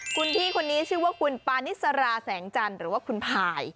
คุณพี่คนนี้ชื่อว่าคุณปานิสราแสงจันทร์หรือว่าคุณพาย